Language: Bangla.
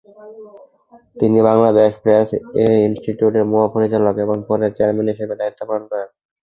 তিনি বাংলাদেশ প্রেস ইনস্টিটিউটের মহাপরিচালক এবং পরে চেয়ারম্যান হিসেবে দায়িত্ব পালন করেন।